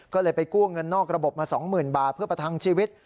ก็เลยไปกู้เงินนอกระบบมา๒๐๐๐บาทเพื่อประทังชีวิต